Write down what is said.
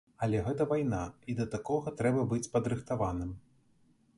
Але гэта вайна, і да такога трэба быць падрыхтаваным.